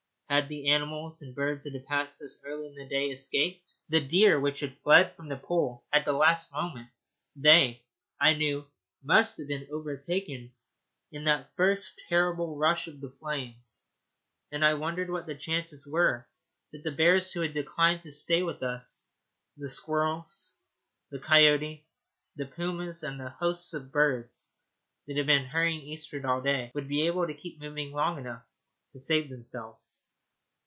Had the animals and birds that had passed us earlier in the day escaped? The deer which had fled from the pool at the last moment they, I knew, must have been overtaken in that first terrible rush of the flames; and I wondered what the chances were that the bears who had declined to stay with us, the squirrels, the coyote, the pumas, and the hosts of birds that had been hurrying eastward all day, would be able to keep moving long enough to save themselves.